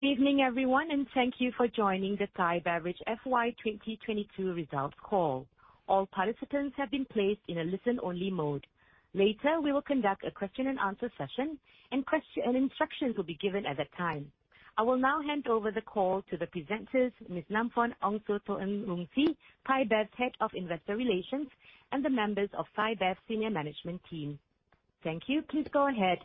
Good evening, everyone. Thank you for joining the Thai Beverage FY 2022 results call. All participants have been placed in a listen-only mode. Later, we will conduct a question and answer session and instructions will be given at that time. I will now hand over the call to the presenters, Ms. Namfon Aungsutornrungsi, ThaiBev Head of Investor Relations, and the members of ThaiBev Senior Management Team. Thank you. Please go ahead.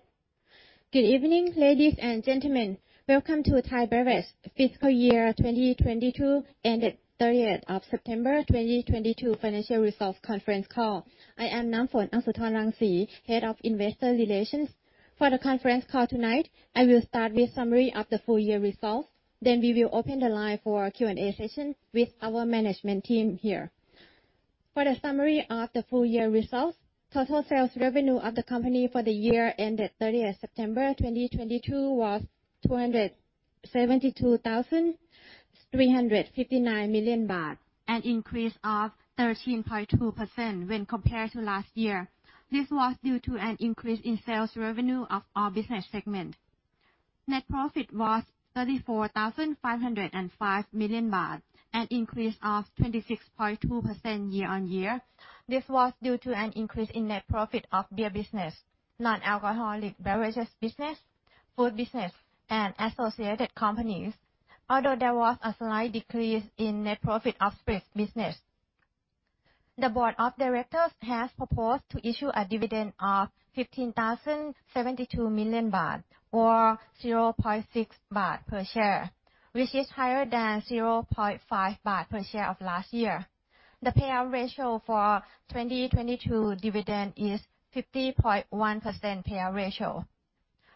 Good evening, ladies and gentlemen. Welcome to Thai Beverage fiscal year 2022 ended 30th of September 2022 financial results conference call. I am Namfon Aungsutornrungsi, Head of Investor Relations. For the conference call tonight, I will start with summary of the full year results, then we will open the line for Q&A session with our management team here. For the summary of the full year results, total sales revenue of the company for the year ended 30th September 2022 was 272,359 million baht, an increase of 13.2% when compared to last year. This was due to an increase in sales revenue of our business segment. Net profit was 34,505 million baht, an increase of 26.2% year-on-year. This was due to an increase in net profit of beer business, non-alcoholic beverages business, food business, and associated companies. There was a slight decrease in net profit of spirits business. The board of directors has proposed to issue a dividend of 15,072 million baht, or 0.6 baht per share, which is higher than 0.5 baht per share of last year. The payout ratio for 2022 dividend is 50.1% payout ratio.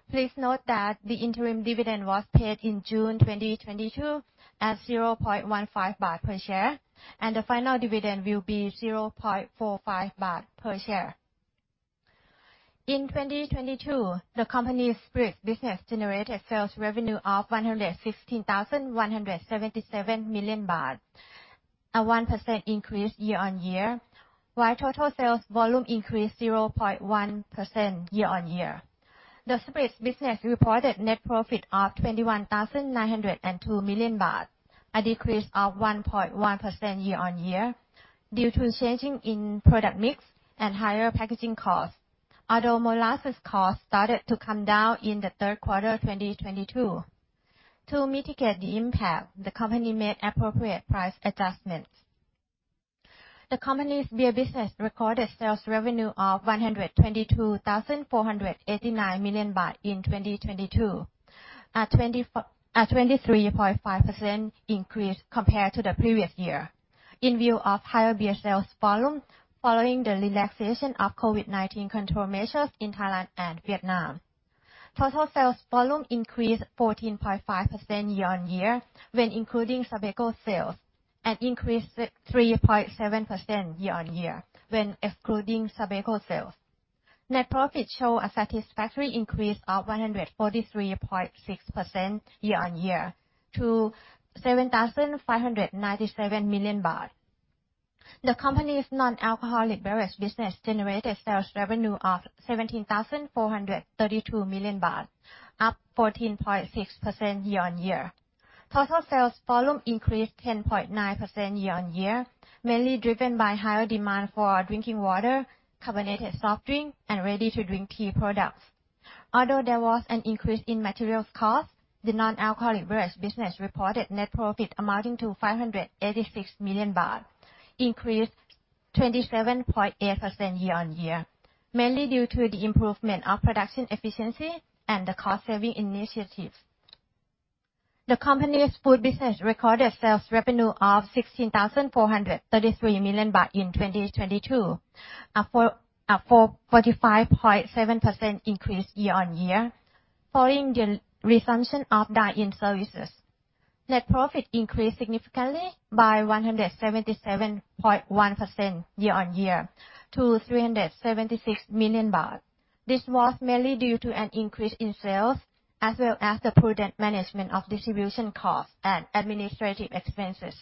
Please note that the interim dividend was paid in June 2022 at 0.15 baht per share, and the final dividend will be 0.45 baht per share. In 2022, the company's spirits business generated sales revenue of 116,177 million baht, a 1% increase year-on-year. While total sales volume increased 0.1% year-on-year. The spirits business reported net profit of 21,902 million baht, a decrease of 1.1% year-on-year due to changing in product mix and higher packaging costs. Although molasses costs started to come down in the Q3 2022. To mitigate the impact, the company made appropriate price adjustments. The company's beer business recorded sales revenue of 122,489 million baht in 2022, a 23.5% increase compared to the previous year. In view of higher beer sales volume following the relaxation of COVID-19 control measures in Thailand and Vietnam. Total sales volume increased 14.5% year-on-year when including Sabeco sales, and increased 3.7% year-on-year when excluding Sabeco sales. Net profit show a satisfactory increase of 143.6% year-on-year to 7,597 million baht. The company's non-alcoholic beverage business generated sales revenue of 17,432 million baht, up 14.6% year-on-year. Total sales volume increased 10.9% year-on-year, mainly driven by higher demand for our drinking water, carbonated soft drink, and ready-to-drink tea products. Although there was an increase in materials cost, the non-alcoholic beverage business reported net profit amounting to 586 million baht, increased 27.8% year-on-year, mainly due to the improvement of production efficiency and the cost-saving initiatives. The company's food business recorded sales revenue of 16,433 million baht in 2022, a 45.7% increase year-on-year following the resumption of dine-in services. Net profit increased significantly by 177.1% year-on-year to 376 million baht. This was mainly due to an increase in sales as well as the prudent management of distribution costs and administrative expenses.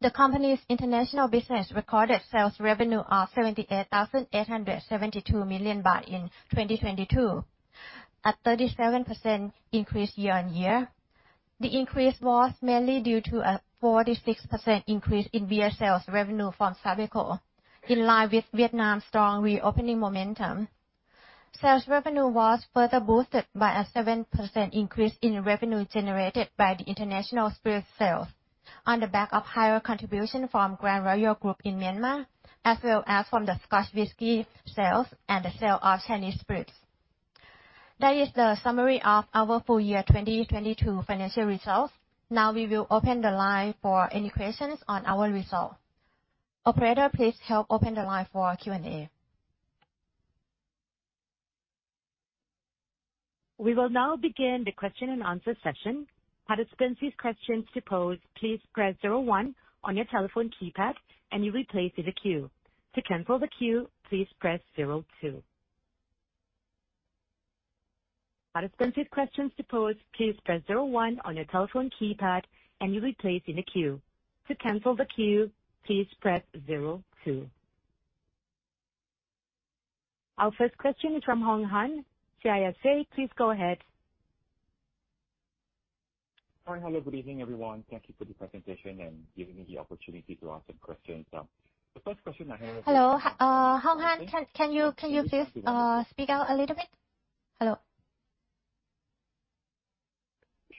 The company's international business recorded sales revenue of 78,872 million baht in 2022, a 37% increase year-on-year. The increase was mainly due to a 46% increase in beer sales revenue from Sabeco, in line with Vietnam's strong reopening momentum. Sales revenue was further boosted by a 7% increase in revenue generated by the international spirit sales on the back of higher contribution from Grand Royal Group in Myanmar, as well as from the Scotch whisky sales and the sale of Chinese spirits. That is the summary of our full year 2022 financial results. Now we will open the line for any questions on our results. Operator, please help open the line for Q&A. We will now begin the question and answer session. Participants whose question is to pose, please press 01 on your telephone keypad and you will be placed in a queue. To cancel the queue, please press 02. Participants whose question is to pose, please press 01 on your telephone keypad and you'll be placed in a queue. To cancel the queue, please press 02. Our first question is from Hong Han, CICC. Please go ahead. Hi. Hello. Good evening, everyone. Thank you for the presentation and giving me the opportunity to ask some questions. The first question. Hello. Hong Han, can you please speak out a little bit? Hello?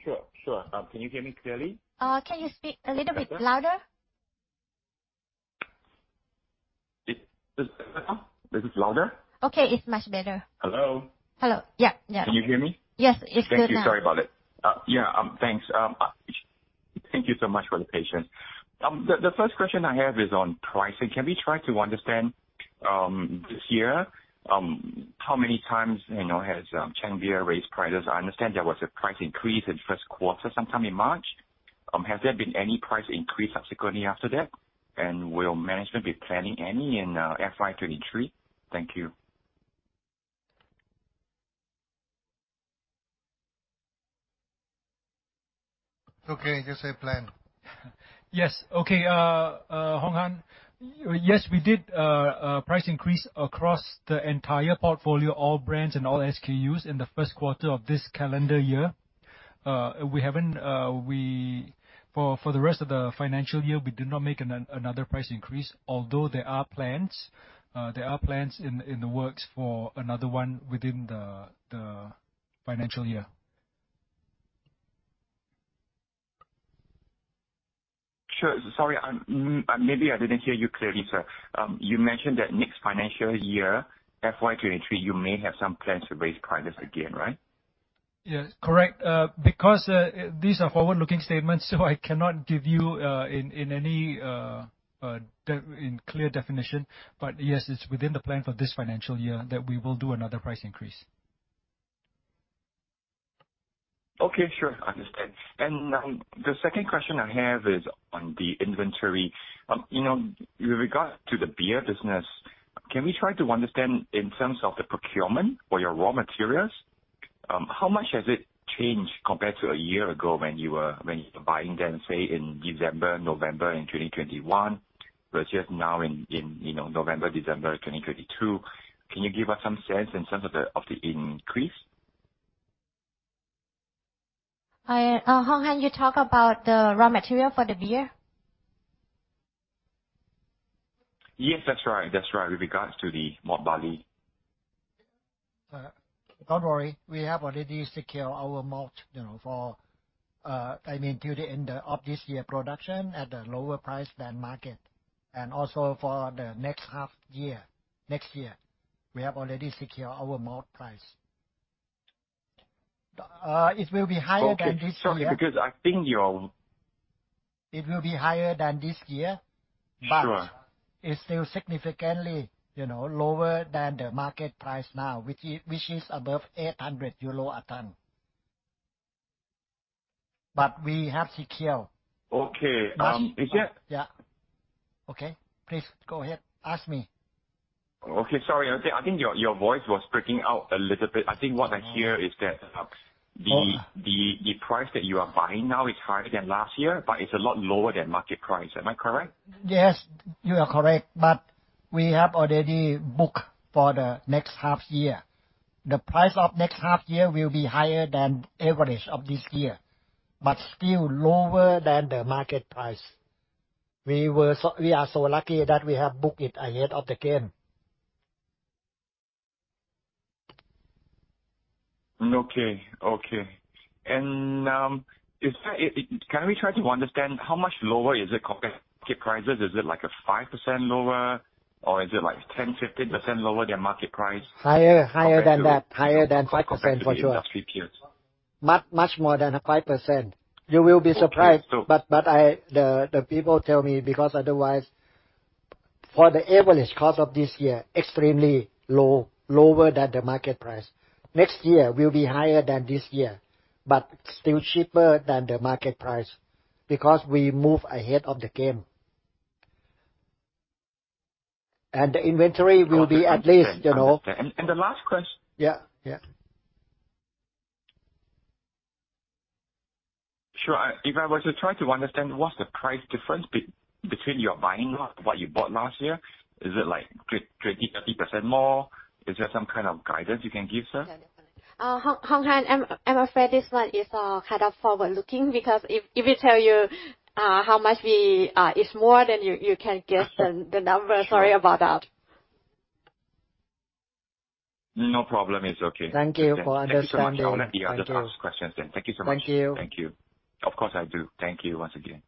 Sure. Sure. Can you hear me clearly? Can you speak a little bit louder? Is this better now? This is louder? Okay, it's much better. Hello. Hello. Yeah, yeah. Can you hear me? Yes. It's good now. Thank you. Sorry about it. Yeah. Thanks. Thank you so much for the patience. The first question I have is on pricing. Can we try to understand, this year, how many times has Chang Beer raised prices? I understand there was a price increase in Q1, sometime in March. Has there been any price increase subsequently after that? Will management be planning any in FY 2023? Thank you. Okay. Yes, I plan. Yes. Okay. Hong Han. Yes, we did a price increase across the entire portfolio, all brands and all SKUs in the Q1 of this calendar year. We haven't. For the rest of the financial year, we did not make another price increase, although there are plans. There are plans in the works for another one within the financial year. Sure. Sorry, maybe I didn't hear you clearly, sir. You mentioned that next financial year, FY 2023, you may have some plans to raise prices again, right? Yes. Correct. These are forward-looking statements, so I cannot give you in any in clear definition. Yes, it's within the plan for this financial year that we will do another price increase. Okay. Sure. Understand. The second question I have is on the inventory. With regard to the beer business, can we try to understand in terms of the procurement for your raw materials, how much has it changed compared to a year ago when you were buying then, say, in December, November in 2021 versus now in November, December 2022? Can you give us some sense in terms of the increase? I, Hong Han, you talk about the raw material for the beer? Yes, that's right. With regards to the malt barley. Don't worry. We have already secured our malt for, I mean, during the end of this year production at a lower price than market. Also for the next half year, next year, we have already secured our malt price. It will be higher than this year. Okay. Sorry, because I think your... It will be higher than this year. Sure. It's still significantly lower than the market price now, which is above 800 euro a ton. We have secured. Okay. Yeah. Okay. Please go ahead. Ask me. Okay. Sorry. I think your voice was breaking out a little bit. I think what I hear is that, Oh. The price that you are buying now is higher than last year, but it's a lot lower than market price. Am I correct? Yes, you are correct. We have already booked for the next half year. The price of next half year will be higher than average of this year, but still lower than the market price. We are so lucky that we have booked it ahead of the game. Okay. Okay. Can we try to understand how much lower is it compared to market prices? Is it like a 5% lower or is it like 10%-15% lower than market price? Higher. Higher than that. Compared to-. Higher than 5% for sure. Compared to the industry peers. Much more than 5%. You will be surprised. Okay. I... The people tell me because otherwise, for the average cost of this year, extremely low, lower than the market price. Next year will be higher than this year, but still cheaper than the market price because we move ahead of the game. The inventory will be at least,. The last question. Yeah. Yeah. Sure. If I was to try to understand what's the price difference between your buying last what you bought last year, is it like 20%, 30% more? Is there some kind of guidance you can give, sir? Hong Han, I'm afraid this one is kind of forward-looking because if we tell you how much we... It's more than you can guess the numbers. Sorry about that. No problem. It's okay. Thank you for understanding. I'll let the others ask questions then. Thank you so much. Thank you. Thank you. Of course, I do. Thank you once again.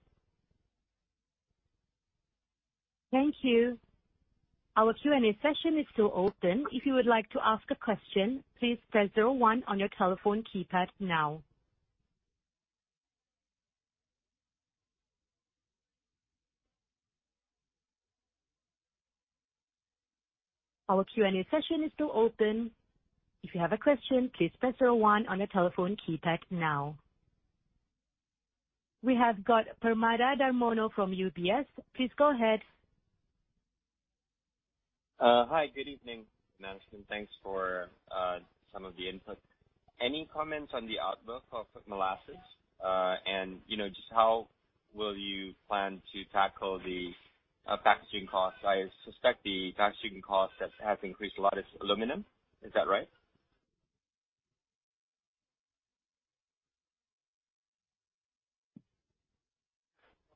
Thank you. Our Q&A session is still open. If you would like to ask a question, please press zero one on your telephone keypad now. Our Q&A session is still open. If you have a question, please press zero one on your telephone keypad now. We have got Permada Darmono from UBS. Please go ahead. Hi. Good evening. Thanks for some of the input. Any comments on the outlook for molasses?, just how will you plan to tackle the packaging costs? I suspect the packaging costs that have increased a lot is aluminum. Is that right?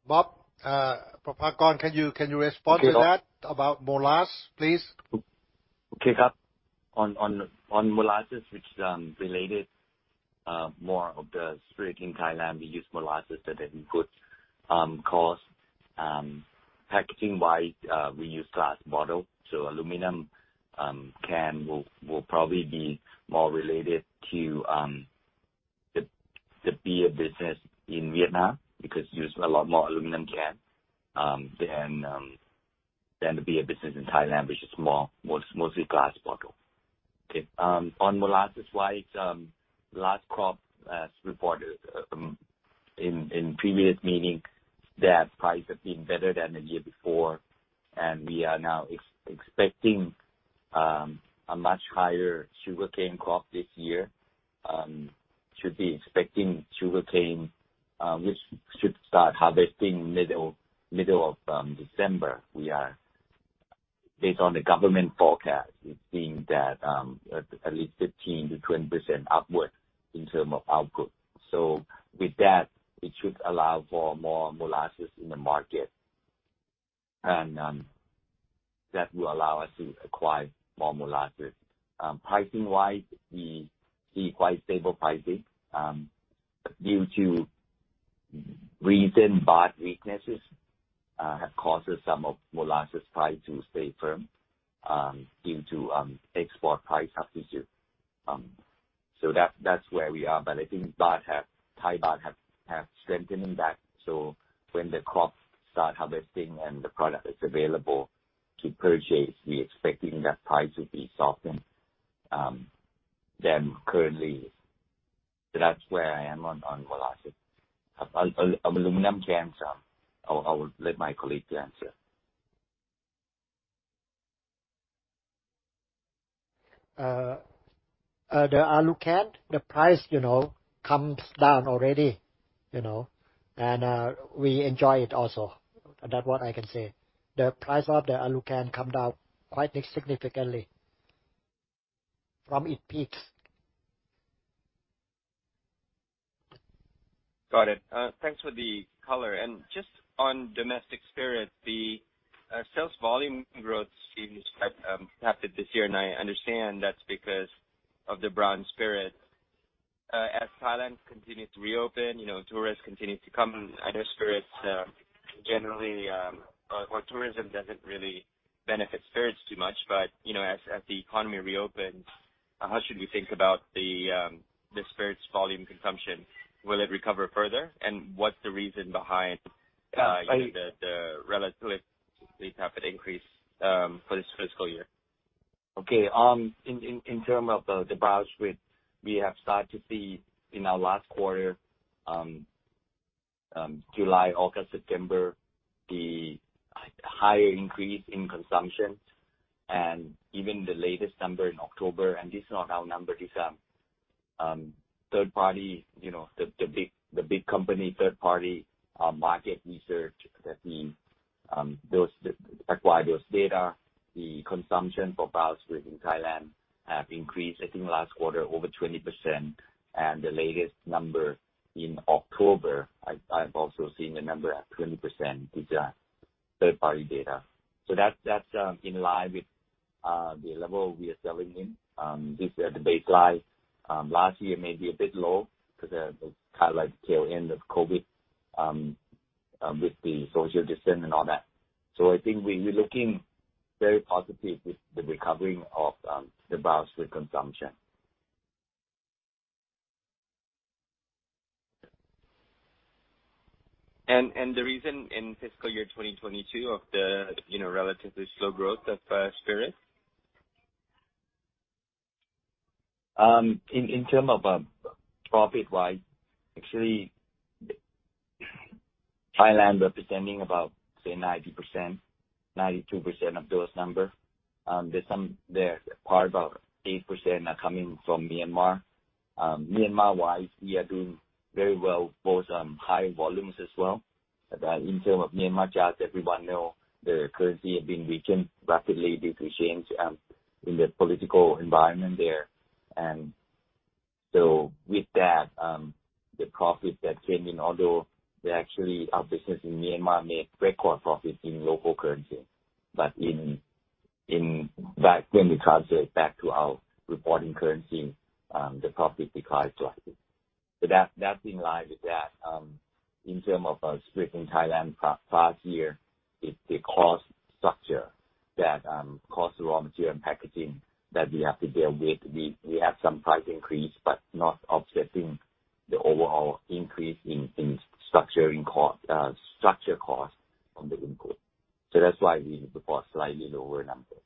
Bob, Prappakorn, can you respond to that about molasses, please? Okay. On molasses which related more of the spirit in Thailand, we use molasses as an input cost. Packaging-wise, we use glass bottle, aluminum can will probably be more related to the beer business in Vietnam because use a lot more aluminum can than the beer business in Thailand, which is mostly glass bottle. Okay. On molasses-wise, last crop, as reported in previous meetings, that price have been better than the year before. We are now expecting a much higher sugarcane crop this year, should be expecting sugarcane, which should start harvesting middle of December. Based on the government forecast, it's been that at least 15%-20% upward in term of output. With that, it should allow for more molasses in the market. That will allow us to acquire more molasses. Pricing-wise, we see quite stable pricing, due to recent baht weaknesses, have caused some of molasses price to stay firm, due to export price competition. That, that's where we are. I think Thai baht have strengthened back. When the crops start harvesting and the product is available to purchase, we expecting that price will be soften than currently. That's where I am on molasses. Aluminum cans, I will let my colleague to answer. The alu can, the price comes down already,. We enjoy it also. That what I can say. The price of the alu can come down quite significantly from its peaks. Got it. Thanks for the color. Just on domestic spirit, the sales volume growth seems impacted this year, and I understand that's because of the brown spirit. As Thailand continues to reopen tourists continue to come. I know spirits generally or tourism doesn't really benefit spirits too much, but as the economy reopens, how should we think about the spirits volume consumption? Will it recover further? What's the reason behind the relatively profit increase for this fiscal year? Okay. In term of the brown spirit, we have started to see in our last quarter, July, August, September, the higher increase in consumption. This is not our number, this, third party the big company third party, market research that we, those acquire those data. The consumption for brown spirit in Thailand have increased, I think, last quarter over 20%. The latest number in October, I've also seen the number at 20%. These are third party data. That's in line with the level we are selling in. These are the baseline. Last year may be a bit low because of the kind of like tail end of COVID, with the social distance and all that. I think we're looking very positive with the recovering of the brown spirit consumption. The reason in fiscal year 2022 of the relatively slow growth of spirits? In term of profit-wise, actually, Thailand representing about, say, 90%, 92% of those number. The part about 8% are coming from Myanmar. Myanmar-wise, we are doing very well, both high volumes as well. In term of Myanmar jobs, everyone know their currency have been weakened rapidly due to change in the political environment there. With that, the profits that came in, although they actually, our business in Myanmar made record profits in local currency. When we translate back to our reporting currency, the profit declines drastically. That's in line with that. In term of our spirit in Thailand past year is the cost structure that cost of raw material and packaging that we have to deal with. We have some price increase, but not offsetting the overall increase in structuring cost, structure cost on the input. That's why we report slightly lower number.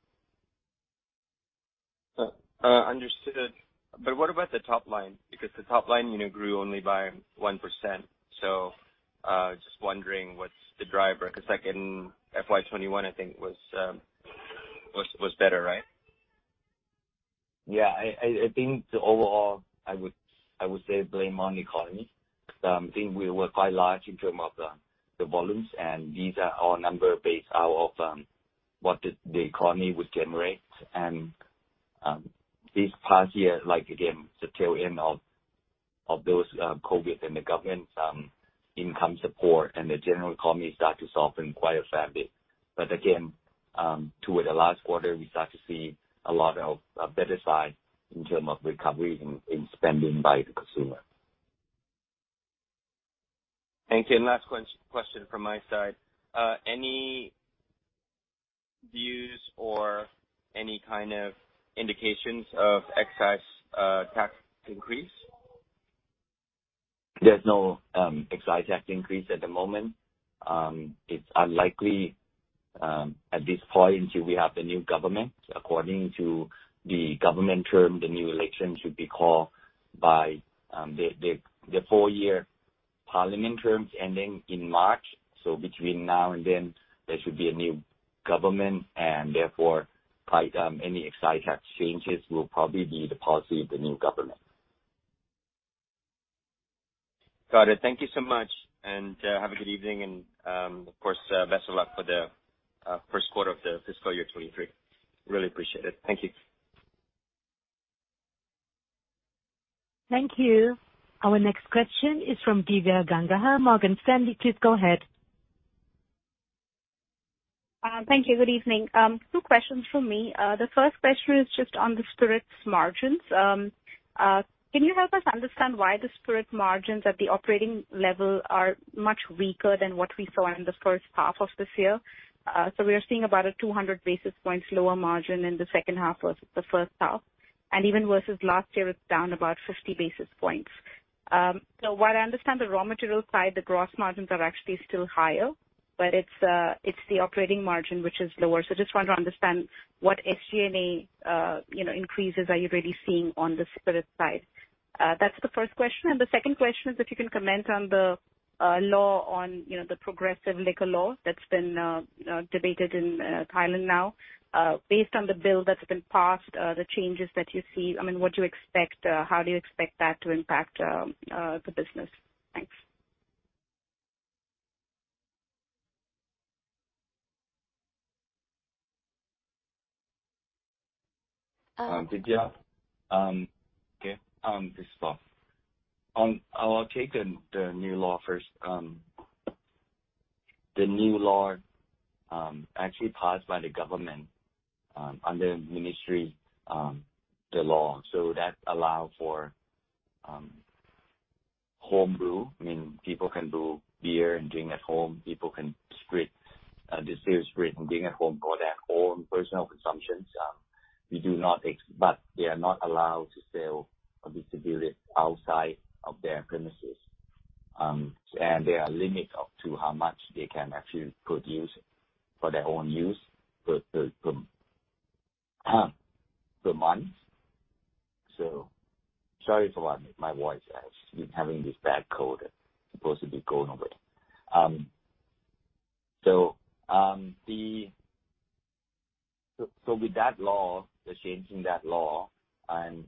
understood. What about the top line? The top line grew only by 1%. Just wondering what's the driver? 'Cause like in FY 2021, I think was better, right? Yeah. I think the overall, I would say blame on economy. I think we were quite large in term of the volumes, and these are all number based out of what the economy would generate. This past year, like again, the tail end of those COVID and the government income support and the general economy start to soften quite a fair bit. Again, toward the last quarter, we start to see a lot of a better side in term of recovery in spending by the consumer. Thank you. Last question from my side. Any views or any kind of indications of excise tax increase? There's no excise tax increase at the moment. It's unlikely at this point till we have the new government. According to the government term, the new election should be called by the four-year parliament terms ending in March. Between now and then, there should be a new government, and therefore, quite any excise tax changes will probably be the policy of the new government. Got it. Thank you so much. Have a good evening and of course best of luck for the Q1 of the fiscal year 2023. Really appreciate it. Thank you. Thank you. Our next question is from Divya Gangahar, Morgan Stanley. Please go ahead. Thank you. Good evening. Two questions from me. The first question is just on the spirits margins. Can you help us understand why the spirit margins at the operating level are much weaker than what we saw in the H1 of this year? We are seeing about a 200 basis points lower margin in the H2 versus the H1, and even versus last year it's down about 50 basis points. What I understand the raw material side, the gross margins are actually still higher, but it's the operating margin which is lower. Just want to understand what SG&A increases are you really seeing on the spirit side? That's the first question. The second question is if you can comment on the law on the progressive liquor law that's been debated in Thailand now. Based on the bill that's been passed, the changes that you see, I mean, what do you expect, how do you expect that to impact the business? Thanks. Divya, okay, this is Paul. I will take the new law first. The new law, actually passed by the government, under ministry, the law, that allow for home brew, meaning people can brew beer and drink at home. People can spirit, distill spirit and drink at home for their own personal consumptions. They are not allowed to sell or distribute it outside of their premises. There are limits up to how much they can actually produce for their own use per month. Sorry for what? My voice has been having this bad cold. Supposed to be cold already. The... With that law, the change in that law and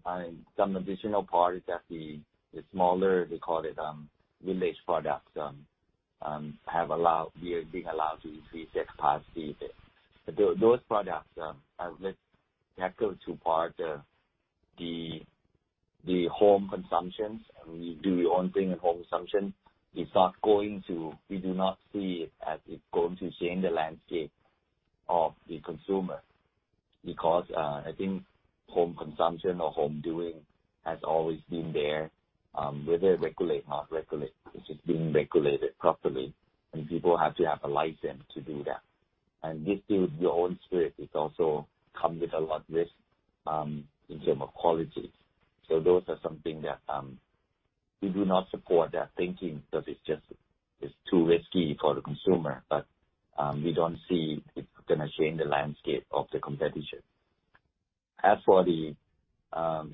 some additional parts that the smaller, we call it, village products, have allowed, we are being allowed to increase their capacity. Those products are let's tackle two parts. The home consumptions, I mean, do your own thing at home consumption. We do not see it as it's going to change the landscape of the consumer because I think home consumption or home doing has always been there, whether regulate, not regulate. It's just being regulated properly, and people have to have a license to do that. Distilling your own spirit, it also comes with a lot of risk in terms of quality. Those are something that we do not support that thinking, but it's just, it's too risky for the consumer. We don't see it gonna change the landscape of the competition. As for the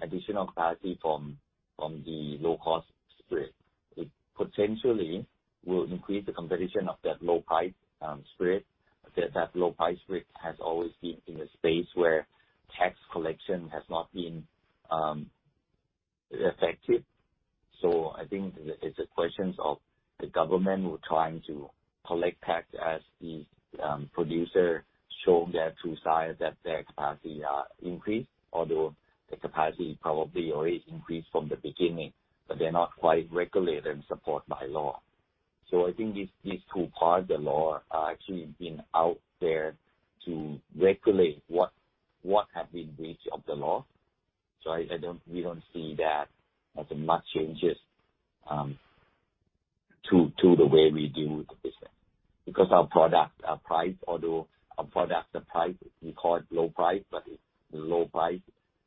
additional capacity from the low-cost spirit, it potentially will increase the competition of that low price spirit. That low price spirit has always been in a space where tax collection has not been effective. I think it's a question of the government who are trying to collect tax as the producer show their true side that their capacity increased, although the capacity probably already increased from the beginning, but they're not quite regulated and supported by law. I think these two parts of the law are actually been out there to regulate what have been breached of the law. We don't see that as a much changes to the way we do the business. Because our product are priced, although our products are priced, we call it low price, but it's low price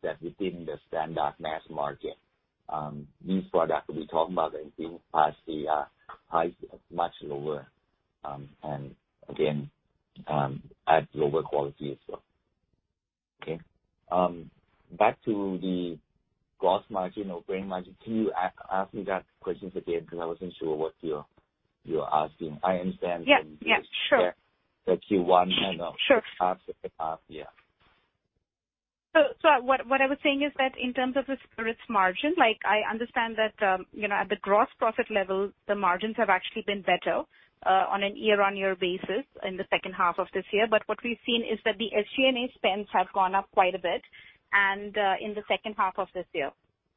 that within the standard mass market. These products we're talking about, the increased capacity are priced much lower, and again, at lower quality as well. Okay. Back to the gross margin or brain margin. Can you ask me that question again, 'cause I wasn't sure what you're asking. I understand- Yeah, yeah. Sure. The Q1 and. Sure. After the half, yeah. What I was saying is that in terms of the spirits margin, like I understand that at the gross profit level, the margins have actually been better on a year-on-year basis in the H2 of this year. What we've seen is that the SG&A spends have gone up quite a bit, and in the H2 of this year.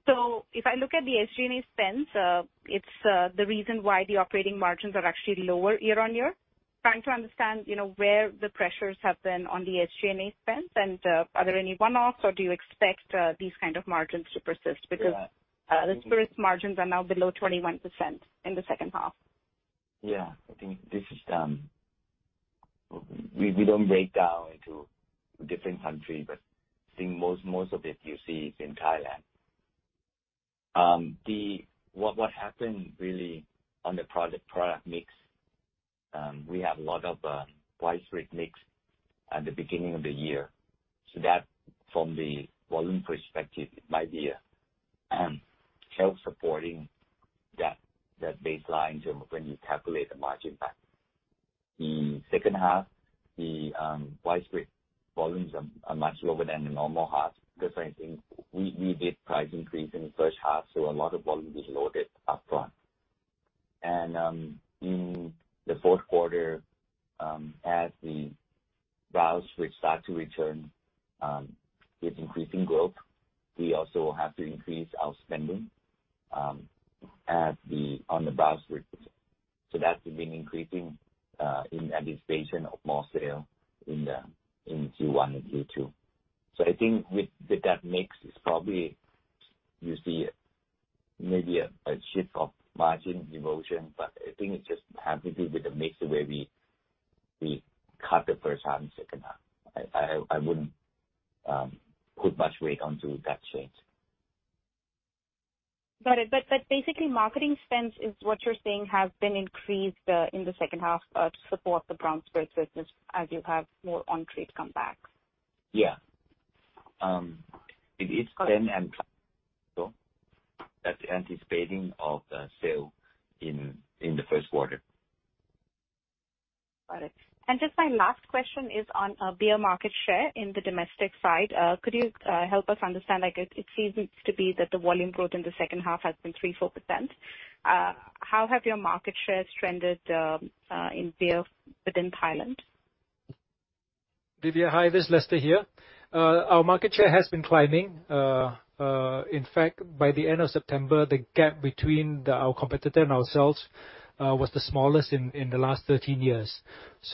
If I look at the SG&A spends, it's the reason why the operating margins are actually lower year-on-year. Trying to understand where the pressures have been on the SG&A spends, and are there any one-offs or do you expect these kind of margins to persist? Yeah. Because, the spirits margins are now below 21% in the H2. Yeah. I think this is. We don't break down into different country, but I think most of it you see is in Thailand. What happened really on the product mix, we have a lot of price rate mix at the beginning of the year. From the volume perspective, it might be self-supporting that baseline term when you calculate the margin back. The H2, the wide spread volumes are much lower than the normal half 'cause I think we did price increase in the H1, so a lot of volume is loaded upfront. In the Q4, as the brown spirits start to return, with increasing growth, we also have to increase our spending on the brown spirits. That's been increasing, in anticipation of more sale in the, in Q1 and Q2. I think with that mix is probably, you see maybe a shift of margin devotion, but I think it just have to do with the mix the way we cut the H1 and H2. I wouldn't put much weight onto that change. Got it. Basically, marketing spends is what you're saying have been increased in the H2 to support the brown spirits business as you have more on-trade comeback. Yeah. It is spend and so that's anticipating of the sale in the Q1. Got it. Just my last question is on beer market share in the domestic side. Could you help us understand? Like, it seems to be that the volume growth in the H2 has been 3%-4%. How have your market shares trended in beer within Thailand? Divya, hi. This is Lester here. Our market share has been climbing. In fact, by the end of September, the gap between our competitor and ourselves, was the smallest in the last 13 years.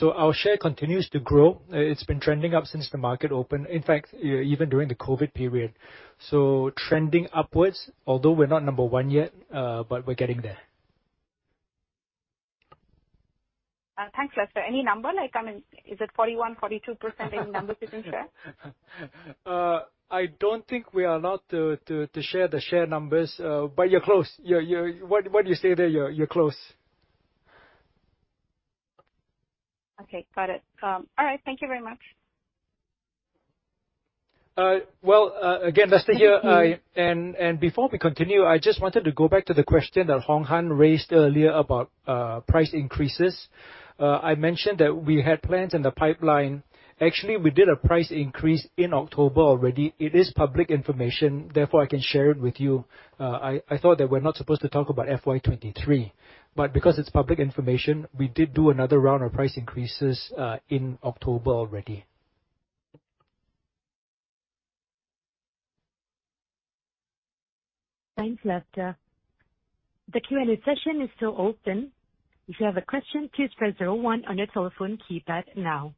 Our share continues to grow. It's been trending up since the market opened. In fact, even during the COVID period. Trending upwards, although we're not number one yet, but we're getting there. Thanks, Lester. Any number? Like, I mean, is it 41%, 42% in market share? I don't think we are allowed to share the numbers, but you're close. You're... What you say there, you're close. Okay. Got it. All right. Thank you very much. Again, Lester here. Before we continue, I just wanted to go back to the question that Hong Han raised earlier about price increases. I mentioned that we had plans in the pipeline. Actually, we did a price increase in October already. It is public information, therefore I can share it with you. I thought that we're not supposed to talk about FY 2023, but because it's public information, we did do another round of price increases in October already. Thanks, Lester. The Q&A session is still open. If you have a question, please press 01 on your telephone keypad now.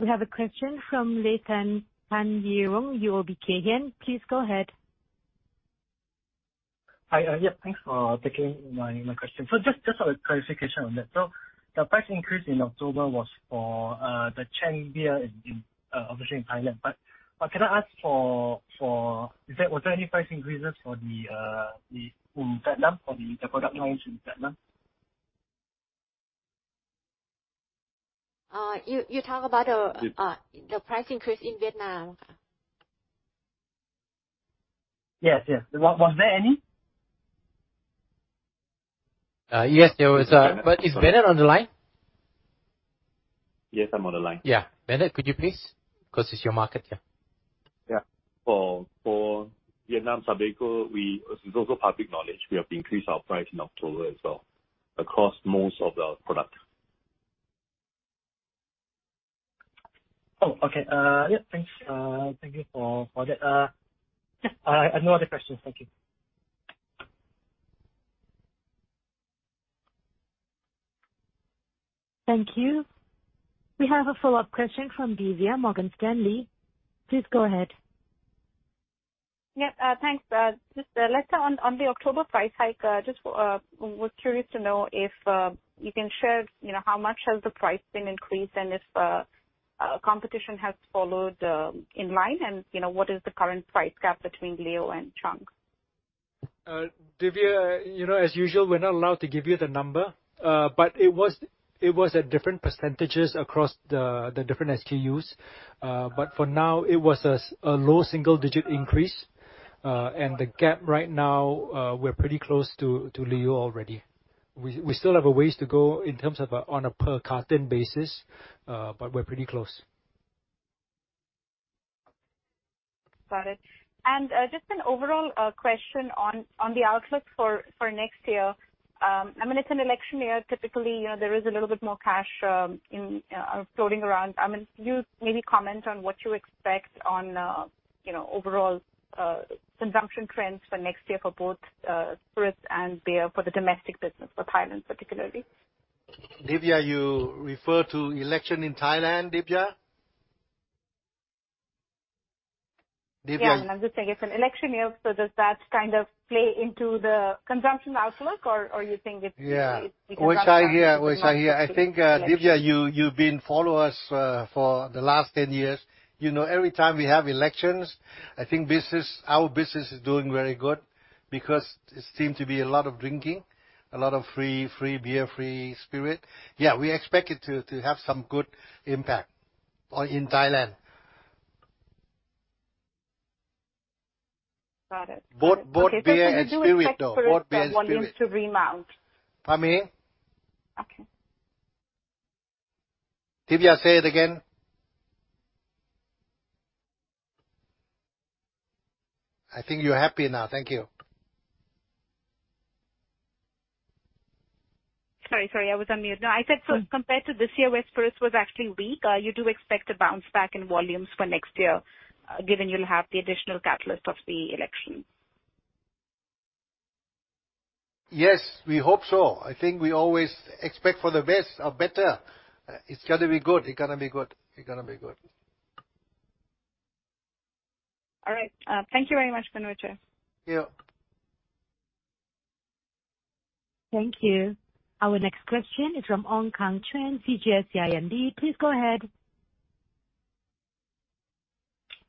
We have a question from Lerttanapun Nirun, UOB Kay Hian. Please go ahead. Hi. Yeah, thanks for taking my question. Just for a clarification on that. The price increase in October was for the Chang Beer in, obviously in Thailand. Was there any price increases for the Vietnam, for the product launch in Vietnam? You talk about the price increase in Vietnam. Yes. Yes. Was there any? Yes, there was. Is Bennett on the line? Yes, I'm on the line. Yeah. Bennett, could you please? 'Cause it's your market. Yeah. Yeah. For Vietnam Sabeco, as it's also public knowledge, we have increased our price in October as well across most of our products. Oh, okay. Yeah. Thanks. Thank you for that. Yeah. I have no other questions. Thank you. Thank you. We have a follow-up question from Divya, Morgan Stanley. Please go ahead. Yeah. thanks. just, Lester on the October price hike, just, was curious to know if you can share how much has the price been increased and if competition has followed, in line, and what is the current price gap between Leo and Chang? Divya as usual, we're not allowed to give you the number. It was at different percentages across the different SKUs. For now, it was a low single digit increase. The gap right now, we're pretty close to Leo already. We still have a ways to go in terms of on a per carton basis, we're pretty close. Got it. Just an overall question on the outlook for next year. I mean, it's an election year. Typically, there is a little bit more cash in floating around. I mean, can you maybe comment on what you expect on overall consumption trends for next year for both spirits and beer for the domestic business for Thailand, particularly? Divya, you refer to election in Thailand, Divya? Yeah. I'm just saying it's an election year, so does that kind of play into the consumption outlook? You think it's usually-? Yeah. Which I hear. I think Divya, you've been follow us for the last 10 years. Every time we have elections, I think our business is doing very good because there seem to be a lot of drinking, a lot of free beer, free spirit. Yeah. We expect it to have some good impact in Thailand. Got it. Both beer and spirit, though. Both beer and spirit. Can you do expect for volumes to remount? Pardon me. Okay. Divya, say it again. I think you're happy now. Thank you. Sorry, I was on mute. No, I said compared to this year where spirits was actually weak, you do expect a bounce back in volumes for next year, given you'll have the additional catalyst of the election? Yes, we hope so. I think we always expect for the best or better. It's gonna be good. It gonna be good. It gonna be good. All right. Thank you very much, Prapakorn Yep. Thank you. Our next question is from Ong Khang Chuen, CGS-CIMB. Please go ahead.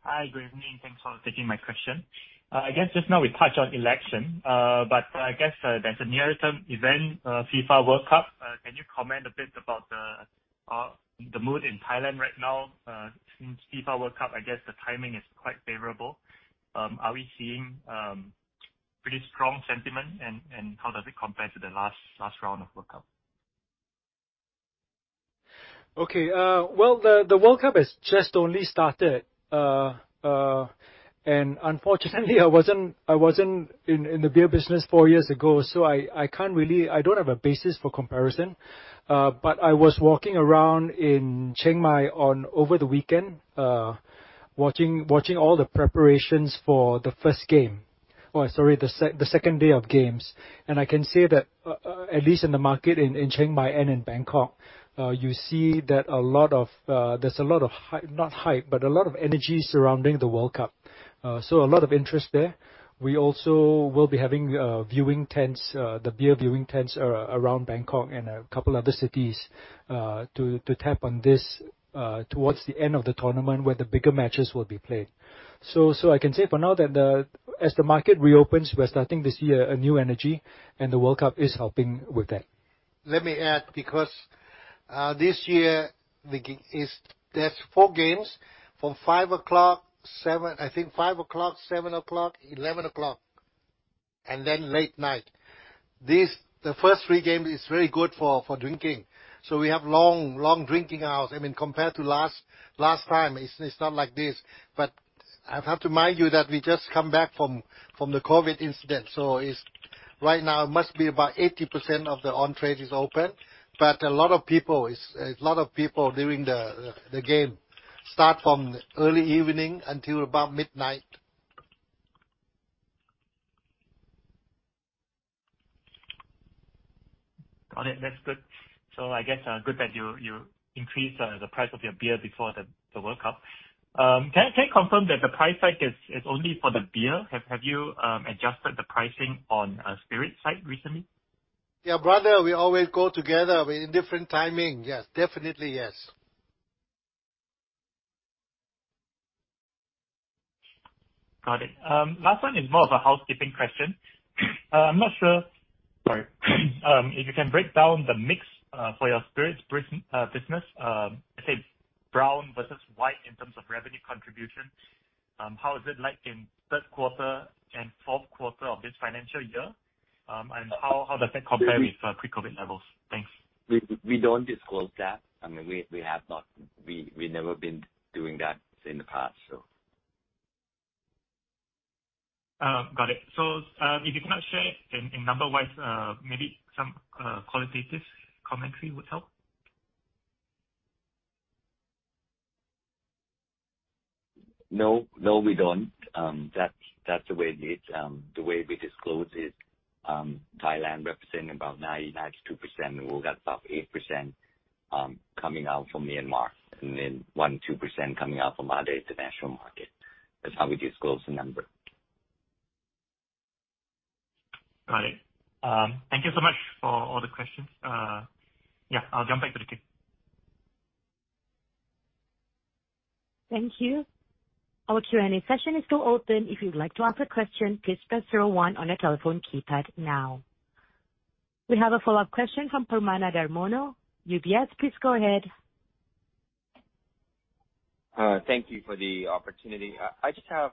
Hi. Good evening. Thanks for taking my question. I guess just now we touched on election. I guess there's a nearer term event, FIFA World Cup. Can you comment a bit about the the mood in Thailand right now, since FIFA World Cup? I guess the timing is quite favorable. Are we seeing pretty strong sentiment? How does it compare to the last round of World Cup? Okay, well, the World Cup has just only started. Unfortunately, I wasn't in the beer business four years ago, so I can't really. I don't have a basis for comparison. I was walking around in Chiang Mai on over the weekend, watching all the preparations for the first game. Oh, sorry, the second day of games. I can say that, at least in the market in Chiang Mai and in Bangkok, you see that there's a lot of not hype, but a lot of energy surrounding the World Cup. A lot of interest there. We also will be having, viewing tents, the beer viewing tents around Bangkok and a couple other cities, to tap on this, towards the end of the tournament where the bigger matches will be played. I can say for now that the, as the market reopens, we're starting to see a new energy, and the World Cup is helping with that. Let me add, because this year, there's four games from 5:00 P.M., 7:00 P.M., I think 5:00 P.M., 7:00 P.M., 11:00 P.M., and then late night. This, the first three game is very good for drinking. We have long, long drinking hours. I mean, compared to last time, it's not like this. I have to remind you that we just come back from the COVID incident. It's right now must be about 80% of the on-trade is open. A lot of people during the game start from early evening until about midnight. Got it. That's good. I guess, good that you increased the price of your beer before the World Cup. Can you confirm that the price hike is only for the beer? Have you adjusted the pricing on spirit side recently? Yeah, brother, we always go together with different timing. Yes. Definitely yes. Got it. Last one is more of a housekeeping question. I'm not sure. Sorry. If you can break down the mix for your spirits business, let's say brown versus white in terms of revenue contribution, how is it like in Q3 and Q4 of this financial year? How does that compare with pre-COVID levels? Thanks. We don't disclose that. I mean, we have not, we never been doing that in the past, so. Got it. If you cannot share in number-wise, maybe some qualitative commentary would help. No. No, we don't. That's the way it is. The way we disclose is, Thailand representing about 90-92%, and we've got about 8%, coming out from Myanmar, and then 1-2% coming out from other international market. That's how we disclose the number. Right. Thank you so much for all the questions. Yeah, I'll jump back to the queue. Thank you. Our Q&A session is still open. If you'd like to ask a question, please press zero-one on your telephone keypad now. We have a follow-up question from Permada Darmono, UBS. Please go ahead. Thank you for the opportunity. I just have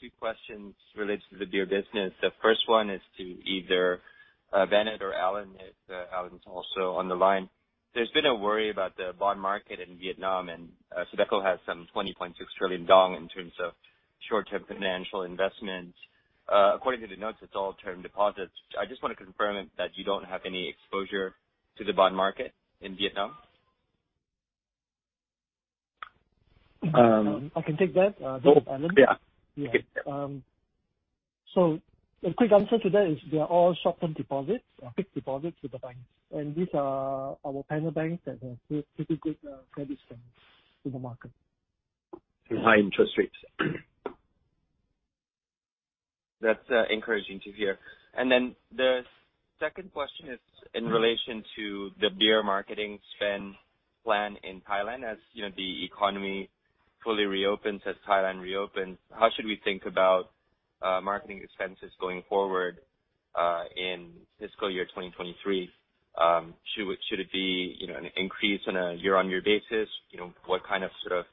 two questions related to the beer business. The first one is to either Bennett or Alan, if Alan's also on the line. There's been a worry about the bond market in Vietnam. SABECO has some 20.6 trillion dong in terms of short-term financial investment. According to the notes, it's all term deposits. I just wanna confirm that you don't have any exposure to the bond market in Vietnam. Um. I can take that. Oh. This is Alan. Yeah. Yeah. The quick answer to that is they are all short-term deposits or fixed deposits with the banks, and these are our panel banks that have pretty good credit standing in the market. High interest rates. That's encouraging to hear. Then the second question is in relation to the beer marketing spend plan in Thailand. As the economy fully reopens, as Thailand reopens, how should we think about marketing expenses going forward in fiscal year 2023? Should it be an increase on a year-on-year basis? What kind of, sort of,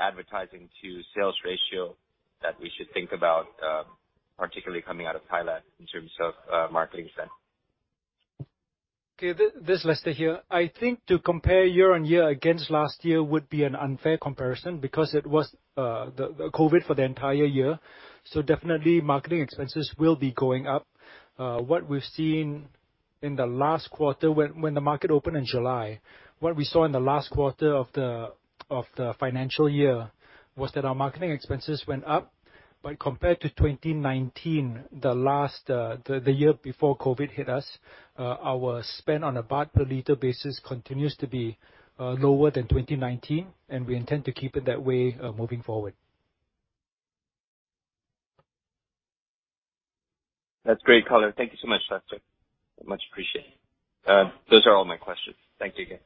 advertising to sales ratio that we should think about, particularly coming out of Thailand in terms of marketing spend? Okay. This is Lester here. I think to compare year on year against last year would be an unfair comparison because it was the COVID for the entire year, so definitely marketing expenses will be going up. What we've seen in the last quarter when the market opened in July, what we saw in the last quarter of the financial year was that our marketing expenses went up. Compared to 2019, the last, the year before COVID hit us, our spend on a baht per liter basis continues to be lower than 2019, and we intend to keep it that way moving forward. That's great color. Thank you so much, Lester. Much appreciated. Those are all my questions. Thanks again.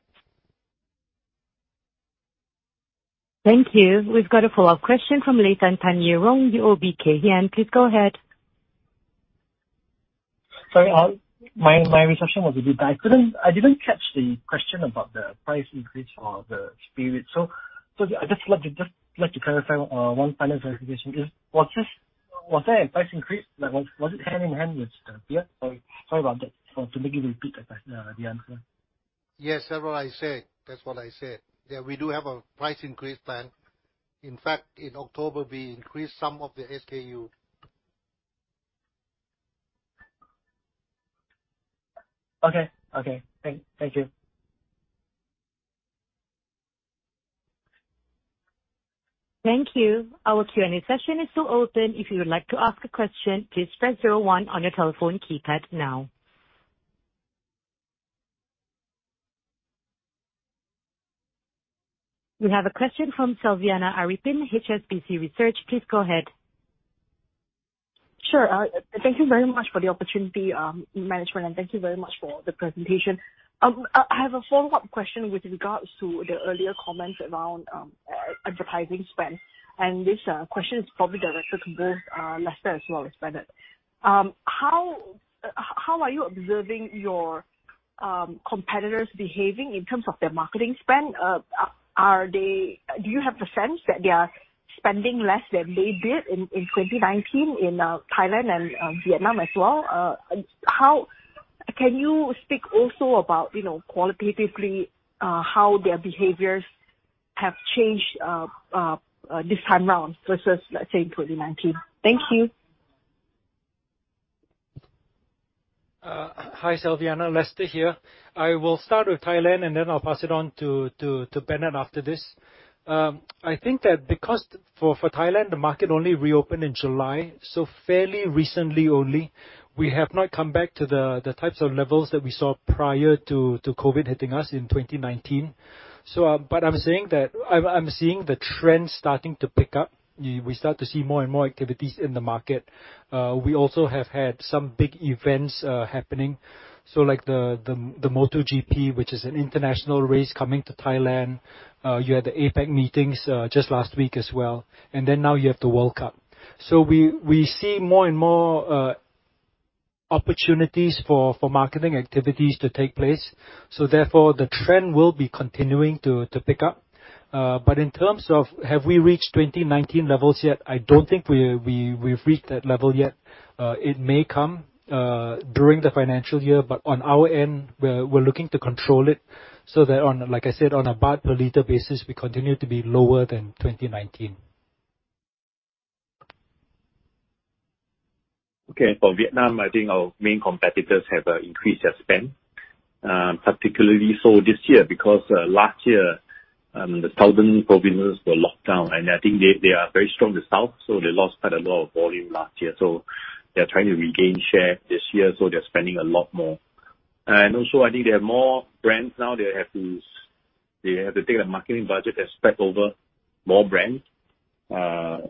Thank you. We've got a follow-up question from Llewelyn Tan Yerong, UOB Kay Hian. Please go ahead. Sorry, my reception was a bit bad. I didn't catch the question about the price increase or the spirit. I'd just like to clarify, one final clarification is, was this, was there a price increase? Like, was it hand in hand with the beer? Sorry about that. To make you repeat that back, the answer. Yes. That's what I said. Yeah, we do have a price increase plan. In fact, in October, we increased some of the SKU. Okay. Okay. Thank you. Thank you. Our Q&A session is still open. If you would like to ask a question, please press 01 on your telephone keypad now. We have a question from Selviana Aripin, HSBC Research. Please go ahead. Sure. Thank you very much for the opportunity, management, and thank you very much for the presentation. I have a follow-up question with regards to the earlier comments around advertising spend, and this question is probably directed to both Lester as well as Bennett. How are you observing your competitors behaving in terms of their marketing spend? Do you have the sense that they are spending less than they did in 2019 in Thailand and Vietnam as well? Can you speak also about qualitatively, how their behaviors have changed this time around versus, let's say, in 2019? Thank you. Hi, Selviana. Lester here. I will start with Thailand, and then I'll pass it on to Bennett after this. I think that because for Thailand, the market only reopened in July, so fairly recently only, we have not come back to the types of levels that we saw prior to COVID hitting us in 2019. But I'm saying that I'm seeing the trends starting to pick up. We start to see more and more activities in the market. We also have had some big events happening, so, like the MotoGP, which is an international race coming to Thailand. You had the APAC meetings just last week as well, and then now you have the World Cup. We see more and more opportunities for marketing activities to take place, so therefore, the trend will be continuing to pick up. In terms of have we reached 2019 levels yet, I don't think we've reached that level yet. It may come during the financial year, but on our end, we're looking to control it so that on, like I said, on a THB per liter basis, we continue to be lower than 2019. Okay. For Vietnam, I think our main competitors have increased their spend, particularly so this year, because last year, the southern provinces were locked down, and I think they are very strong, the south, so they lost quite a lot of volume last year. They're trying to regain share this year, so they're spending a lot more. Also, I think there are more brands now. They have to take the marketing budget and spread over more brands. I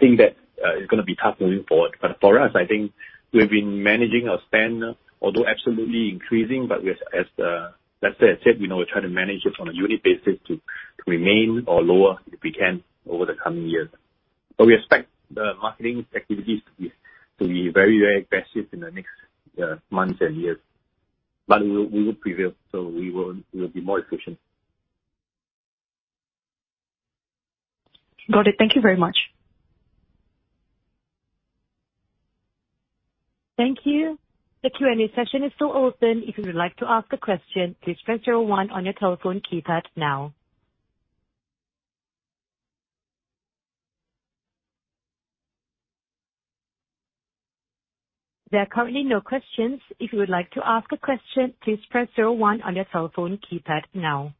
think that it's gonna be tough moving forward. For us, I think we've been managing our spend, although absolutely increasing, but we're as Lester had said we're trying to manage it from a unit basis to remain or lower, if we can, over the coming years. We expect the marketing activities to be very, very aggressive in the next months and years. We will prevail, so we'll be more efficient. Got it. Thank you very much. Thank you. The Q&A session is still open. If you would like to ask a question, please press 01 on your telephone keypad now. There are currently no questions. If you would like to ask a question, please press 01 on your telephone keypad now.